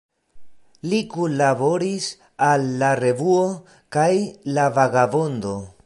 Li kunlaboris al "La Revuo" kaj "La Vagabondo.